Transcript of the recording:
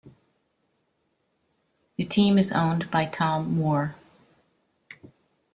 The team is owned by Tom Moore.